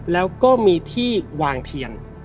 แล้วก็มีที่วางเทียน